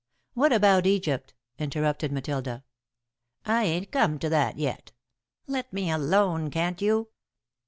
'" "What about Egypt?" interrupted Matilda. "I ain't come to that yet. Let me alone, can't you?